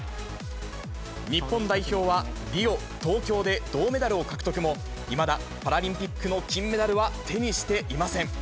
日本代表はリオ、東京で銅メダルを獲得も、いまだパラリンピックの金メダルは手にしていません。